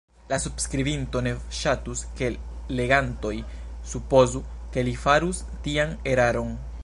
La subskribinto ne ŝatus, ke legantoj supozu, ke li farus tian eraron.